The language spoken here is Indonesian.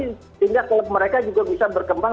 sehingga klub mereka juga bisa berkembang